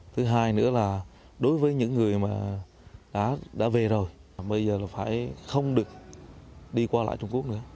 thứ hai nữa là đối với những người mà đã về rồi bây giờ là phải không được đi qua lại trung quốc nữa